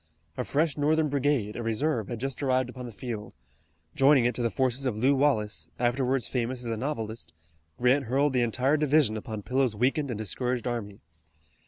A fresh Northern brigade, a reserve, had just arrived upon the field. Joining it to the forces of Lew Wallace, afterwards famous as a novelist, Grant hurled the entire division upon Pillow's weakened and discouraged army.